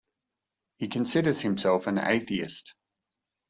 He considers himself an atheist.